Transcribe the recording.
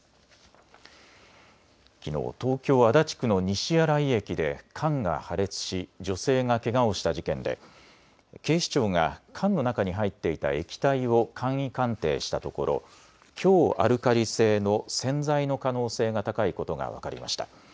きのう、東京足立区の西新井駅で缶が破裂し、女性がけがをした事件で警視庁が缶の中に入っていた液体を簡易鑑定したところ強アルカリ性の洗剤の可能性が高いことが分かりました。